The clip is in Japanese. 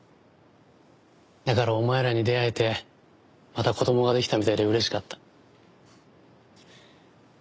だからお前らに出会えてまた子供ができたみたいで嬉しかった。